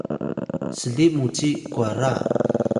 sli mu ci kwara